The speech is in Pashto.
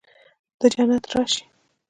د جنت راشي